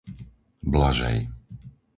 Blažej